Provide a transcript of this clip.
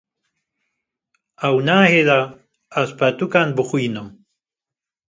Ew nahêle ez pirtûkan bixwînim.